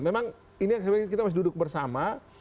memang ini yang saya ingin kita masih duduk bersama